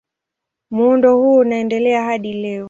Muundo huu unaendelea hadi leo.